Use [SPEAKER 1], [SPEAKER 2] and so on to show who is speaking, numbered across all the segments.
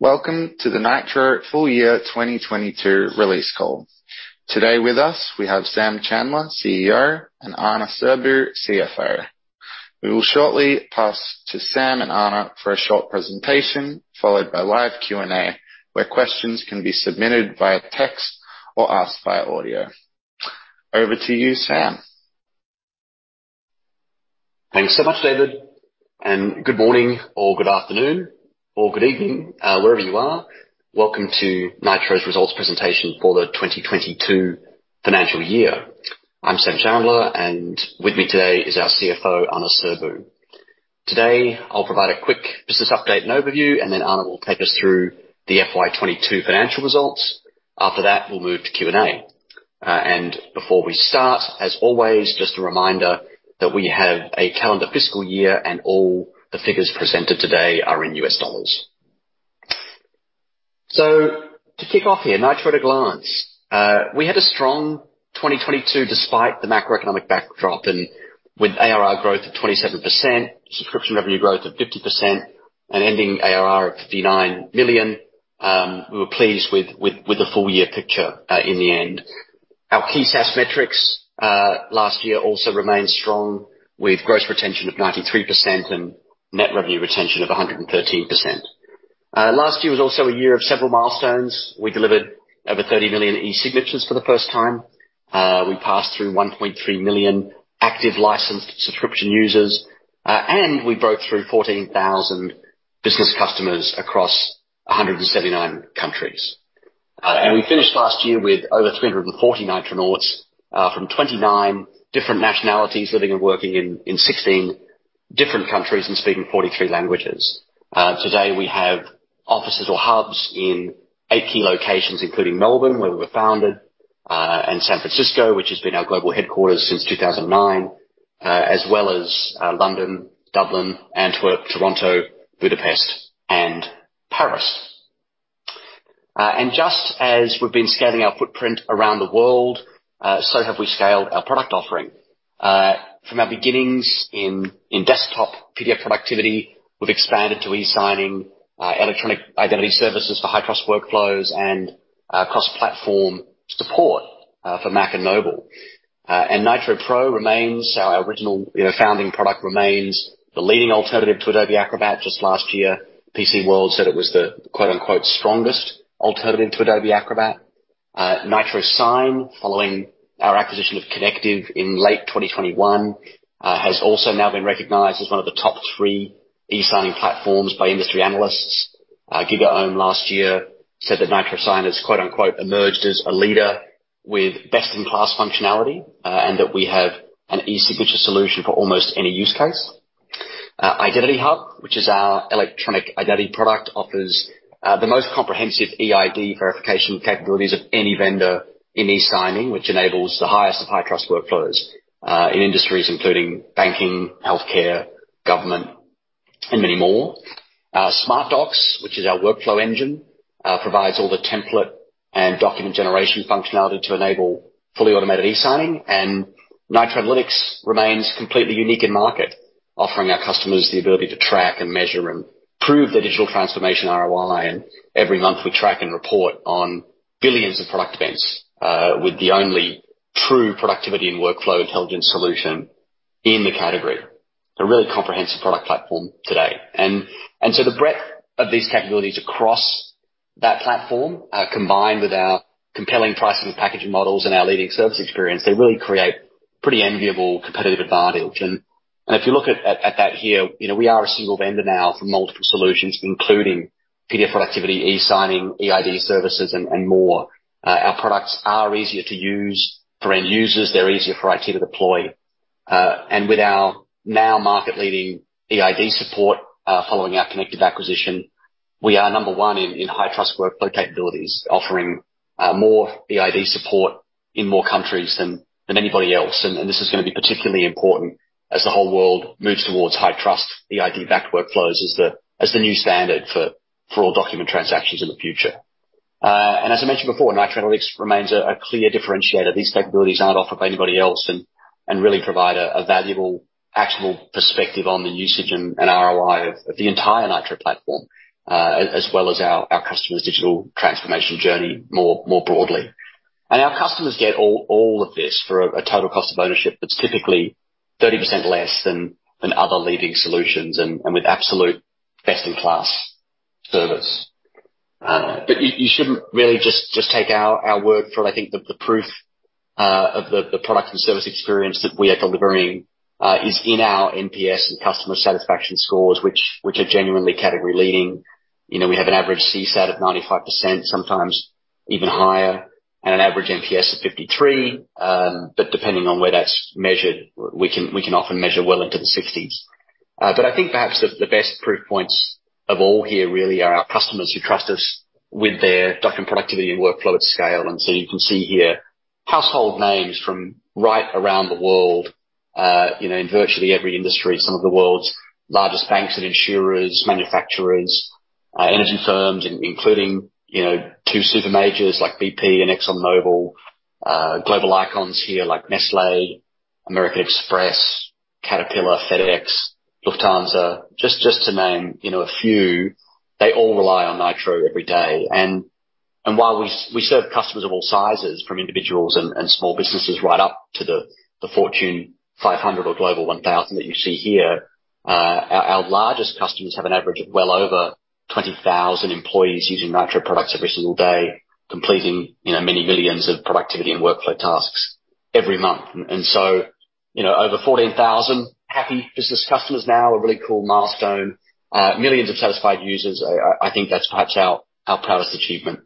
[SPEAKER 1] Welcome to the Nitro Full Year 2022 release call. Today with us, we have Sam Chandler, CEO, and Ana Sirbu, CFO. We will shortly pass to Sam and Ana for a short presentation, followed by live Q&A, where questions can be submitted via text or asked via audio. Over to you, Sam.
[SPEAKER 2] Thanks so much, David. Good morning or good afternoon or good evening, wherever you are. Welcome to Nitro's results presentation for the 2022 financial year. I'm Sam Chandler, and with me today is our CFO, Ana Sirbu. Today, I'll provide a quick business update and overview, and then Ana will take us through the FY22 financial results. After that, we'll move to Q&A. Before we start, as always, just a reminder that we have a calendar fiscal year, and all the figures presented today are in US dollars. To kick off here, Nitro at a glance. We had a strong 2022 despite the macroeconomic backdrop, and with ARR growth of 27%, subscription revenue growth of 50%, and ending ARR of $59 million, we were pleased with the full year picture in the end. Our key SaaS metrics last year also remained strong, with gross retention of 93% and net revenue retention of 113%. Last year was also a year of several milestones. We delivered over 30 million e-signatures for the first time. We passed through 1.3 million active licensed subscription users, we broke through 14,000 business customers across 179 countries. We finished last year with over 340 Nitronauts from 29 different nationalities living and working in 16 different countries and speaking 43 languages. Today we have offices or hubs in eight key locations, including Melbourne, where we were founded, San Francisco, which has been our global headquarters since 2009, as well as London, Dublin, Antwerp, Toronto, Budapest, and Paris. Just as we've been scaling our footprint around the world, so have we scaled our product offering. From our beginnings in desktop PDF productivity, we've expanded to e-signing, electronic identity services for high-trust workflows and cross-platform support for Mac and Mobile. Nitro Pro remains our original, you know, founding product, remains the leading alternative to Adobe Acrobat. Just last year, PCWorld said it was the quote-unquote, "strongest alternative to Adobe Acrobat." Nitro Sign, following our acquisition of Connective in late 2021, has also now been recognized as one of the top three e-signing platforms by industry analysts. GigaOm last year said that Nitro Sign has quote-unquote, "emerged as a leader with best-in-class functionality," and that we have an e-signature solution for almost any use case. Identity Hub, which is our electronic identity product, offers the most comprehensive eID verification capabilities of any vendor in e-signing, which enables the highest of high-trust workflows in industries including banking, healthcare, government, and many more. Smart Docs, which is our workflow engine, provides all the template and document generation functionality to enable fully automated e-signing. Nitro Analytics remains completely unique in market, offering our customers the ability to track and measure and prove their digital transformation ROI. Every month, we track and report on billions of product events with the only true productivity and workflow intelligence solution in the category. A really comprehensive product platform today. The breadth of these capabilities across that platform combined with our compelling pricing and packaging models and our leading service experience, they really create pretty enviable competitive advantage. If you look at that here, you know, we are a single vendor now for multiple solutions, including PDF productivity, e-signing, eID services, and more. Our products are easier to use for end users. They're easier for IT to deploy. With our now market-leading eID support, following our Connective acquisition, we are number one in high-trust workflow capabilities, offering more eID support in more countries than anybody else. This is gonna be particularly important as the whole world moves towards high-trust eID-backed workflows as the new standard for all document transactions in the future. As I mentioned before, Nitro Analytics remains a clear differentiator. These capabilities aren't offered by anybody else and really provide a valuable, actionable perspective on the usage and ROI of the entire Nitro platform, as well as our customers' digital transformation journey more broadly. Our customers get all of this for a total cost of ownership that's typically 30% less than other leading solutions and with absolute best-in-class service. You shouldn't really just take our word for it. I think the proof of the product and service experience that we are delivering is in our NPS and customer satisfaction scores, which are genuinely category-leading. You know, we have an average CSAT of 95%, sometimes even higher, and an average NPS of 53. Depending on where that's measured, we can often measure well into the 60s. I think perhaps the best proof points of all here really are our customers who trust us with their document productivity and workflow at scale. You can see here household names from right around the world, you know, in virtually every industry. Some of the world's largest banks and insurers, manufacturers, energy firms, including, you know, two super majors like BP and ExxonMobil. Global icons here like Nestlé, American Express, Caterpillar, FedEx, Lufthansa, just to name, you know, a few, they all rely on Nitro every day. While we serve customers of all sizes, from individuals and small businesses right up to the Fortune 500 or global 1,000 that you see here, our largest customers have an average of well over 20,000 employees using Nitro products every single day, completing, you know, many millions of productivity and workflow tasks every month. So, you know, over 14,000 happy business customers now, a really cool milestone. Millions of satisfied users. I think that's perhaps our proudest achievement.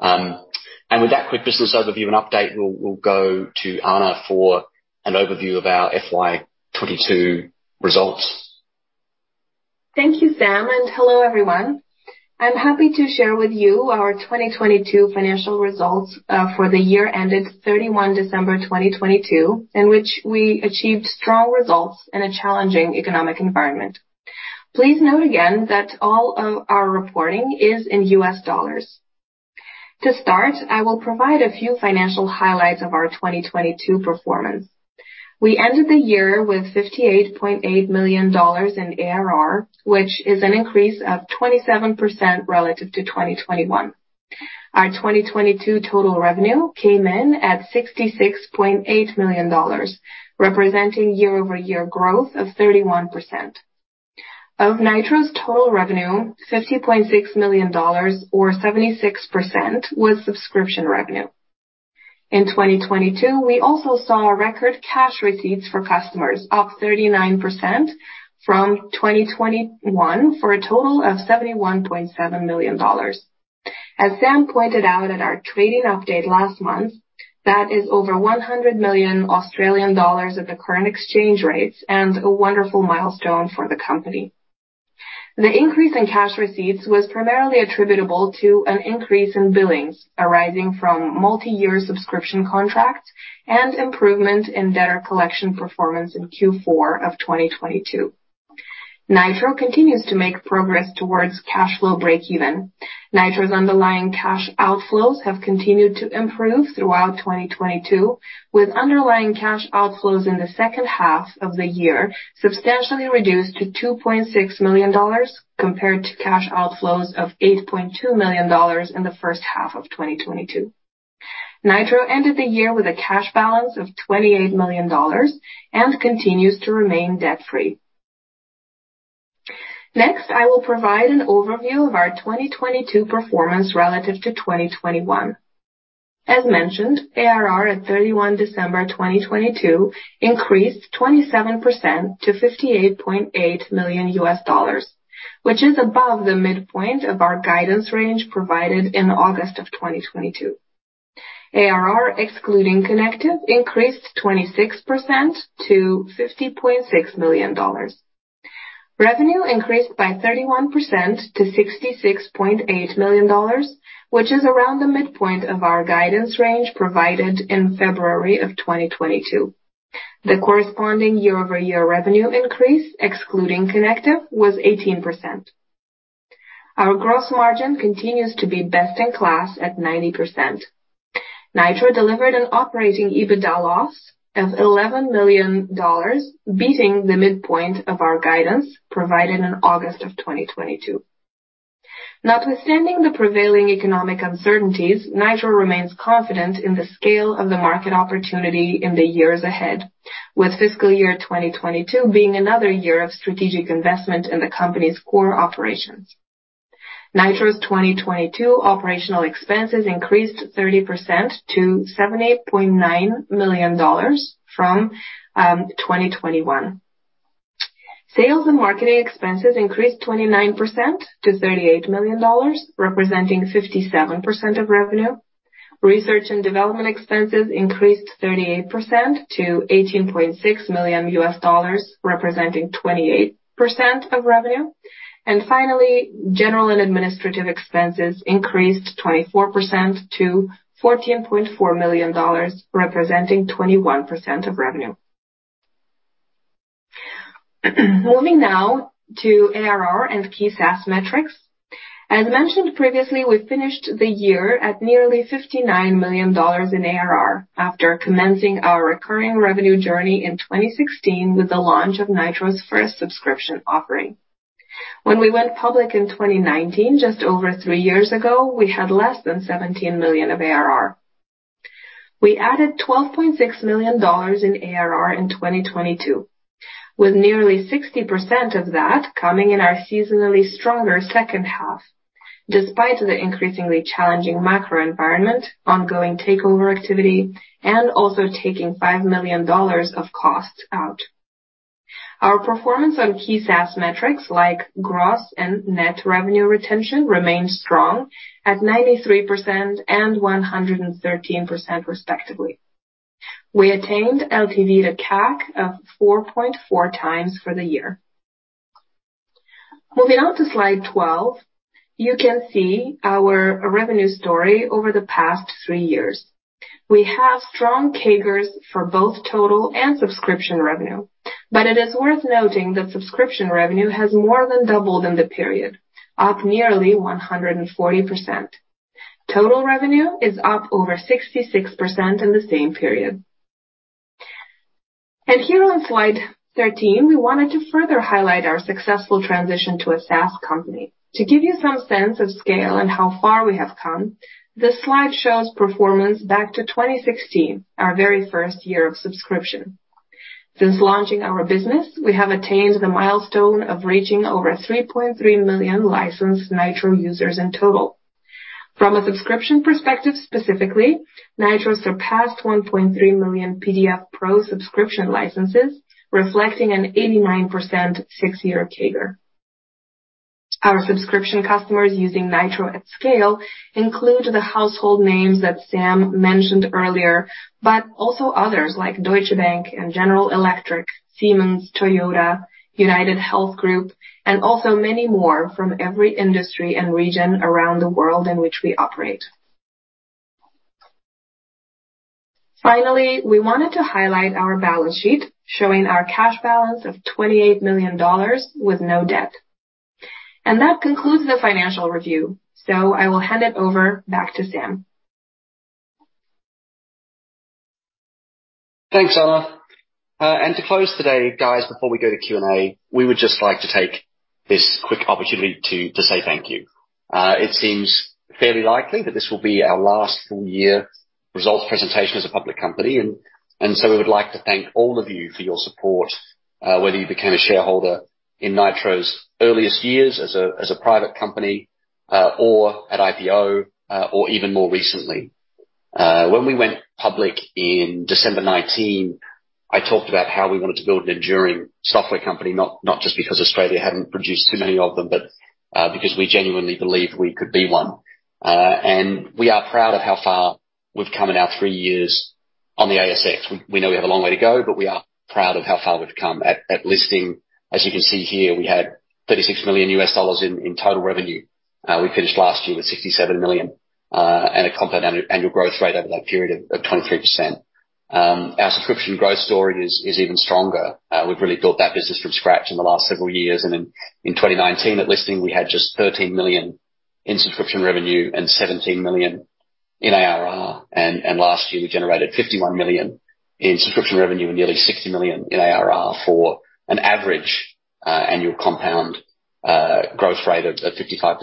[SPEAKER 2] With that quick business overview and update, we'll go to Ana for an overview of our FY22 results.
[SPEAKER 3] Thank you, Sam, and hello, everyone. I'm happy to share with you our 2022 financial results for the year ended 31 December 2022, in which we achieved strong results in a challenging economic environment. Please note again that all of our reporting is in U.S. Dollars. To start, I will provide a few financial highlights of our 2022 performance. We ended the year with $58.8 million in ARR, which is an increase of 27% relative to 2021. Our 2022 total revenue came in at $66.8 million, representing year-over-year growth of 31%. Of Nitro's total revenue, $50.6 million or 76% was subscription revenue. In 2022, we also saw record cash receipts for customers, up 39% from 2021, for a total of $71.7 million. As Sam pointed out at our trading update last month, that is over 100 million Australian dollars at the current exchange rates and a wonderful milestone for the company. The increase in cash receipts was primarily attributable to an increase in billings arising from multi-year subscription contracts and improvement in debtor collection performance in Q4 of 2022. Nitro continues to make progress towards cash flow break even. Nitro's underlying cash outflows have continued to improve throughout 2022, with underlying cash outflows in the second half of the year substantially reduced to $2.6 million compared to cash outflows of $8.2 million in the first half of 2022. Nitro ended the year with a cash balance of $28 million and continues to remain debt-free. Next, I will provide an overview of our 2022 performance relative to 2021. As mentioned, ARR at 31 December 2022 increased 27% to $58.8 million, which is above the midpoint of our guidance range provided in August 2022. ARR, excluding Connective, increased 26% to $50.6 million. Revenue increased by 31% to $66.8 million, which is around the midpoint of our guidance range provided in February 2022. The corresponding year-over-year revenue increase, excluding Connective, was 18%. Our gross margin continues to be best in class at 90%. Nitro delivered an operating EBITDA loss of $11 million, beating the midpoint of our guidance provided in August 2022. Notwithstanding the prevailing economic uncertainties, Nitro remains confident in the scale of the market opportunity in the years ahead, with fiscal year 2022 being another year of strategic investment in the company's core operations. Nitro's 2022 operational expenses increased 30% to $78.9 million from 2021. Sales and marketing expenses increased 29% to $38 million, representing 57% of revenue. Research and development expenses increased 38% to $18.6 million, representing 28% of revenue. Finally, general and administrative expenses increased 24% to $14.4 million, representing 21% of revenue. Moving now to ARR and key SaaS metrics. As mentioned previously, we finished the year at nearly $59 million in ARR after commencing our recurring revenue journey in 2016 with the launch of Nitro's first subscription offering. When we went public in 2019, just over three years ago, we had less than $17 million of ARR. We added $12.6 million in ARR in 2022, with nearly 60% of that coming in our seasonally stronger second half, despite the increasingly challenging macro environment, ongoing takeover activity, and also taking $5 million of costs out. Our performance on key SaaS metrics like Gross Retention and Net Revenue Retention remained strong at 93% and 113%, respectively. We attained LTV to CAC of 4.4x for the year. Moving on to slide 12, you can see our revenue story over the past three years. We have strong CAGRs for both total and subscription revenue, but it is worth noting that subscription revenue has more than doubled in the period, up nearly 140%. Total revenue is up over 66% in the same period. Here on slide 13, we wanted to further highlight our successful transition to a SaaS company. To give you some sense of scale and how far we have come, this slide shows performance back to 2016, our very first year of subscription. Since launching our business, we have attained the milestone of reaching over 3.3 million licensed Nitro users in total. From a subscription perspective, specifically, Nitro surpassed 1.3 million PDF Pro subscription licenses, reflecting an 89% six-year CAGR. Our subscription customers using Nitro at scale include the household names that Sam mentioned earlier, but also others like Deutsche Bank and General Electric, Siemens, Toyota, UnitedHealth Group, and also many more from every industry and region around the world in which we operate. Finally, we wanted to highlight our balance sheet showing our cash balance of $28 million with no debt. That concludes the financial review. I will hand it over back to Sam.
[SPEAKER 2] Thanks, Anna. To close today, guys, before we go to Q&A, we would just like to take this quick opportunity to say thank you. It seems fairly likely that this will be our last full year results presentation as a public company, we would like to thank all of you for your support, whether you became a shareholder in Nitro's earliest years as a private company, or at IPO, or even more recently. When we went public in December 19, I talked about how we wanted to build an enduring software company, not just because Australia hadn't produced too many of them, but because we genuinely believed we could be one. We are proud of how far we've come in our three years on the ASX. We know we have a long way to go, but we are proud of how far we've come. At listing, as you can see here, we had $36 million in total revenue. We finished last year with $67 million and a compound annual growth rate over that period of 23%. Our subscription growth story is even stronger. We've really built that business from scratch in the last several years, and in 2019 at listing, we had just $13 million in subscription revenue and $17 million in ARR. Last year, we generated $51 million in subscription revenue and nearly $60 million in ARR for an average annual compound growth rate of 55%.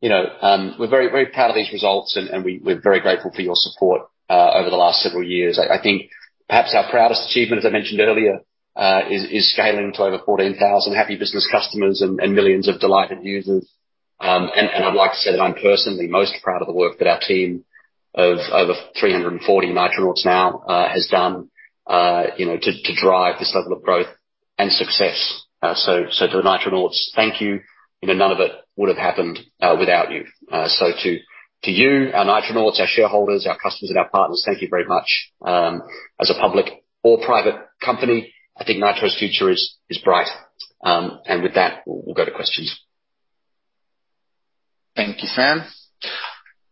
[SPEAKER 2] You know, we're very, very proud of these results and we're very grateful for your support over the last several years. I think perhaps our proudest achievement, as I mentioned earlier, is scaling to over 14,000 happy business customers and millions of delighted users. And I'd like to say that I'm personally most proud of the work that our team of over 340 Nitronauts now, has done, you know, to drive this level of growth and success. To the Nitronauts, thank you. You know, none of it would have happened without you. To you, our Nitronauts, our shareholders, our customers, and our partners, thank you very much. As a public or private company, I think Nitro's future is bright. With that, we'll go to questions.
[SPEAKER 1] Thank you, Sam.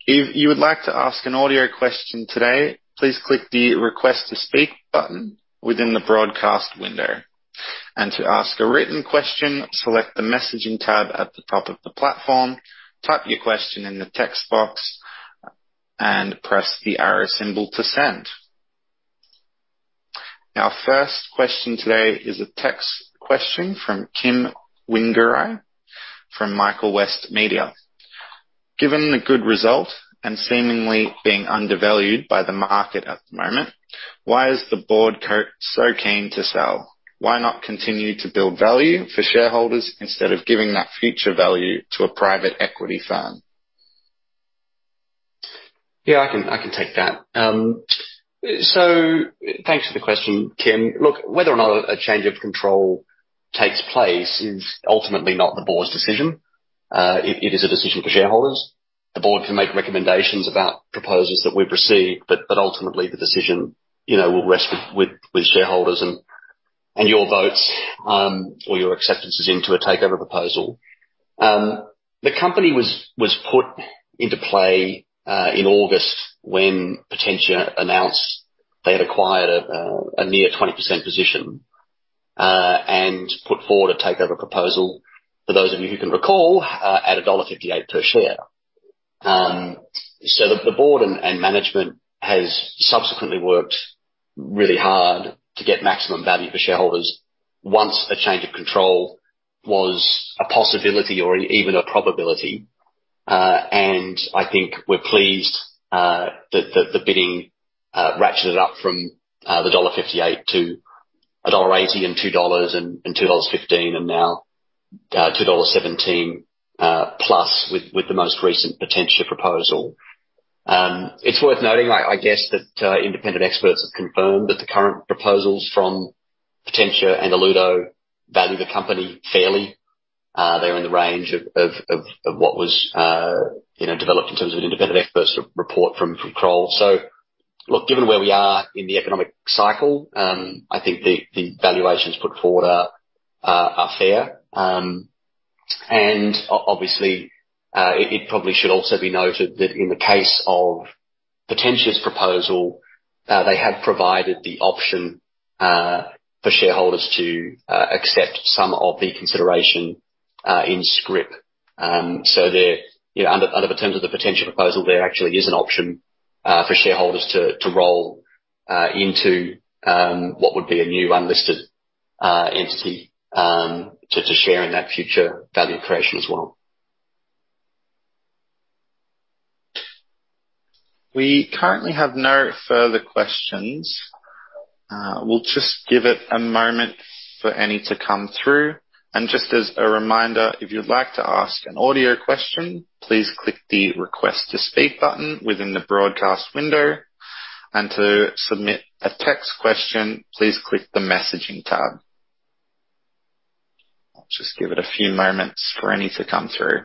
[SPEAKER 1] If you would like to ask an audio question today, please click the Request to speak button within the broadcast window. To ask a written question, select the Messaging tab at the top of the platform, type your question in the text box, and press the arrow symbol to send. Our first question today is a text question from Kim Wingerei from Michael West Media. Given the good result and seemingly being undervalued by the market at the moment, why is the board so keen to sell? Why not continue to build value for shareholders instead of giving that future value to a private equity firm?
[SPEAKER 2] Yeah, I can take that. Thanks for the question, Kim Wingerei. Look, whether or not a change of control takes place is ultimately not the board's decision. It is a decision for shareholders. The board can make recommendations about proposals that we've received, but ultimately, the decision, you know, will rest with shareholders and your votes, or your acceptances into a takeover proposal. The company was put into play in August when Potentia announced they had acquired a near 20% position and put forward a takeover proposal, for those of you who can recall, at $1.58 per share. The board and management has subsequently worked really hard to get maximum value for shareholders once a change of control was a possibility or even a probability. I think we're pleased that the bidding ratcheted up from $1.58 - $1.80 and $2.00 and $2.15 and now $2.17 plus with the most recent Potentia proposal. It's worth noting, I guess, that independent experts have confirmed that the current proposals from Potentia and Alludo value the company fairly. They're in the range of what was, you know, developed in terms of an independent expert's re-report from Kroll. Look, given where we are in the economic cycle, I think the valuations put forward are fair. Obviously, it probably should also be noted that in the case of Potentia's proposal, they have provided the option for shareholders to accept some of the consideration in scrip. You know, under the terms of the Potentia proposal, there actually is an option for shareholders to roll into what would be a new unlisted entity to share in that future value creation as well.
[SPEAKER 1] We currently have no further questions. We'll just give it a moment for any to come through. Just as a reminder, if you'd like to ask an audio question, please click the Request to speak button within the broadcast window. To submit a text question, please click the Messaging tab. I'll just give it a few moments for any to come through.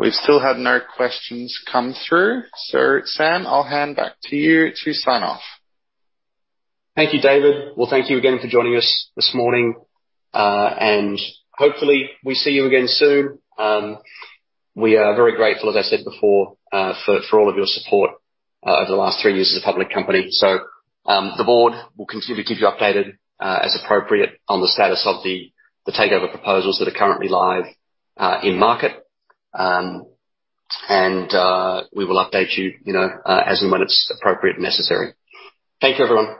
[SPEAKER 1] We've still had no questions come through. Sam, I'll hand back to you to sign off.
[SPEAKER 2] Thank you, David. Thank you again for joining us this morning. Hopefully, we see you again soon. We are very grateful, as I said before, for all of your support over the last three years as a public company. The board will continue to keep you updated as appropriate on the status of the takeover proposals that are currently live in market. We will update you know, as and when it's appropriate and necessary. Thank you, everyone.